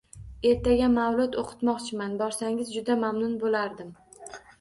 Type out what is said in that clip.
Ertaga mavllud o'qitmoqchiman, borsangiz juda mamnun bo'lardim.